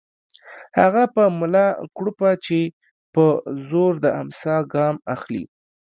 هغه په ملا کړوپه چې په زور د امساء ګام اخلي